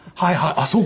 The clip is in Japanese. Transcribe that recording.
あっそうか！